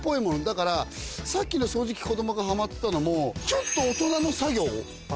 だからさっきの掃除機子供がハマってたのもちょっと大人の作業。